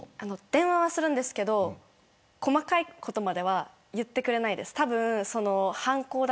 電話はするんですけど細かいことまでは言ってくれないです。